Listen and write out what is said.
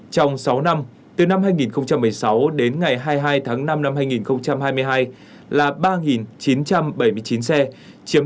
trong sáu năm từ năm hai nghìn một mươi sáu đến ngày hai mươi hai tháng năm năm hai nghìn một mươi chín